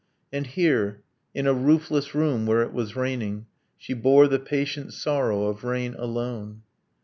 And here, in a roofless room where it was raining, She bore the patient sorrow of rain alone.